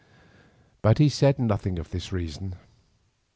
But he said nothing of this reason.